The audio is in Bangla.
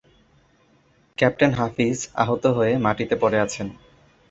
ক্যাপ্টেন হাফিজ আহত হয়ে মাটিতে পড়ে আছেন।